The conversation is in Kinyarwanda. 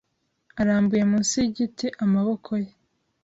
arambuye munsi yigiti amabokoye